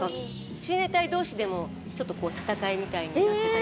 親衛隊同士でもちょっと戦いみたいになっていて。